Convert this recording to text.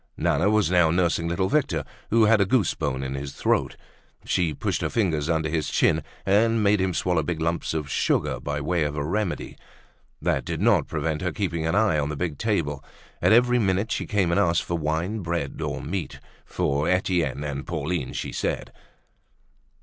Nana was now nursing little Victor, who had a goose bone in his throat. She pushed her fingers under his chin, and made him swallow big lumps of sugar by way of a remedy. That did not prevent her keeping an eye on the big table. At every minute she came and asked for wine, bread, or meat, for Etienne and Pauline, she said.